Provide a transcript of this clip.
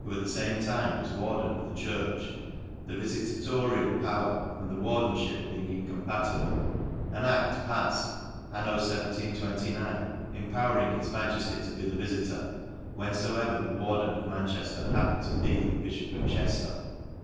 at the fame time was warden of the church, the vifiutorial; power and the ward.enfhip being incompatible, an aft N 6 pafTed 2 7 6 LAN CASH IRE. palled anno 1729, impowering his majefly to be the vititor, whenfoever the warden of Manchefter hap pened to be bifhop of Chejhr.